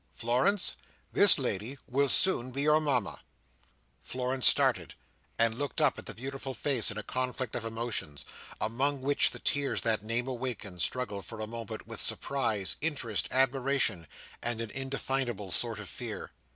Florence, this lady will soon be your Mama." Florence started, and looked up at the beautiful face in a conflict of emotions, among which the tears that name awakened, struggled for a moment with surprise, interest, admiration, and an indefinable sort of fear.